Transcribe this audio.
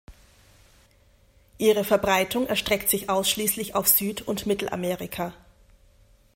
Ihre Verbreitung erstreckt sich ausschließlich auf Süd- und Mittelamerika.